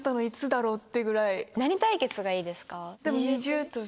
何対決がいいですか？